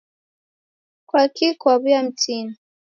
Kwaki kwaw'uya mtini?